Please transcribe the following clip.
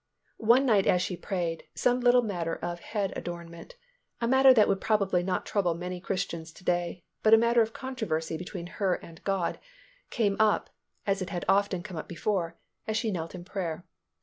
One night as she prayed, some little matter of head adornment, a matter that would probably not trouble many Christians to day, but a matter of controversy between her and God, came up (as it had often come up before) as she knelt in prayer.